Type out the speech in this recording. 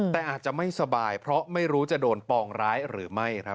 แต่อาจจะไม่สบายเพราะไม่รู้จะโดนปองร้ายหรือไม่ครับ